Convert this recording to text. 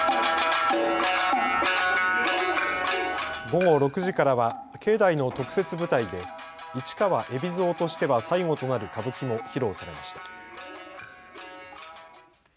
午後６時からは境内の特設舞台で市川海老蔵としては最後となる歌舞伎も披露されました。